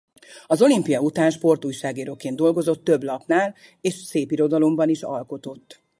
Az olimpia után sportújságíróként dolgozott több lapnál és szépirodalomban is alkotott.